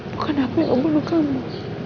bukan aku yang bunuh kamu